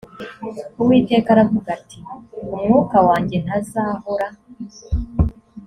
uwiteka aravuga ati umwuka wanjye ntazahora